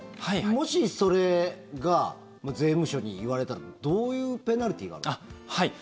もし、それが税務署に言われたらどういうペナルティーがあるの？